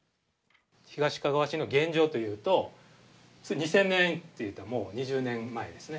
東かがわ市の現状というと２０００年というともう２０年前ですね。